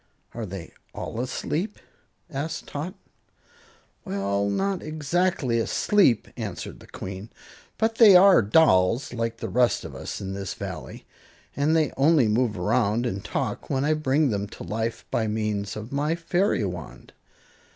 "Are they all asleep?" asked Tot. "Well, not exactly asleep," answered the Queen; "but they are dolls, like all the rest of us in this Valley, and they only move around and talk when I bring them to life by means of my fairy wand.